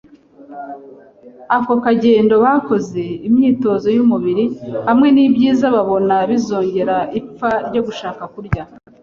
Ako kagendo bakoze, imyitozo y’umubiri, hamwe n’ibyiza babona bizongera ipfa ryo gushaka kurya,